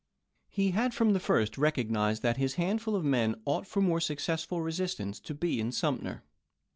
He had, from the first, recognized that his handful of men ought for more success ful resistance to be in Sumter.